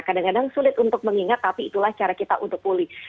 kadang kadang sulit untuk mengingat tapi itulah cara kita untuk pulih